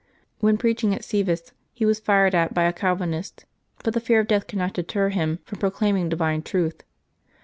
When preaching at Sevis he was fired at by a Calvinist, but the fear of death could not deter him from proclaiming divine truth.